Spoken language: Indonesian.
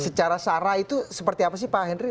secara sara itu seperti apa sih pak henry